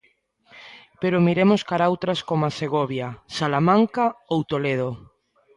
Pero miremos cara outras como Segovia, Salamanca ou Toledo.